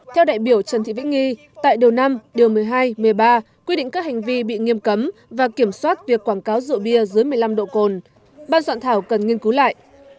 theo đại biểu trần thị vĩnh nghi tại điều năm điều một mươi hai một mươi ba quy định các hành vi bị nghiêm cấm và kiểm soát việc quảng cáo rượu bia dưới một mươi năm độ cồn ban soạn thảo cần nghiên cứu lại